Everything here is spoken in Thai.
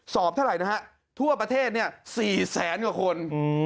เท่าไหร่นะฮะทั่วประเทศ๔แสนกว่าคน